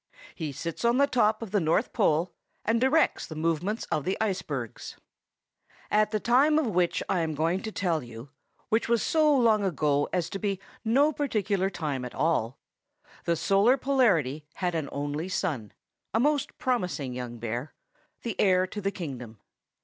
He sits on the top of the North Pole, and directs the movement of the icebergs. At the time of which I am going to tell you, which was so long ago as to be no particular time at all, the Solar Polarity had an only son,—a most promising young bear,—the heir to the kingdom.